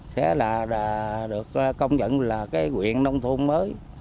sẽ được công nhận là quyền nông thôn mới